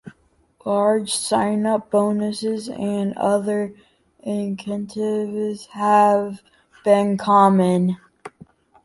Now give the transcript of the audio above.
Large sign-up bonuses and other incentives have been common.